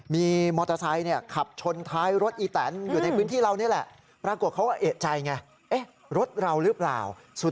มีมอเตอร์ไซค์เหลือขับชนท้ายรถไอ้แถนอยู่ในพื้นที่เราแหละ